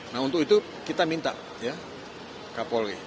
nah untuk itu kita minta ya kapolri